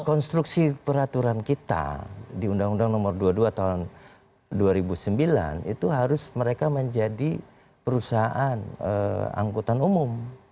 konstruksi peraturan kita di undang undang nomor dua puluh dua tahun dua ribu sembilan itu harus mereka menjadi perusahaan angkutan umum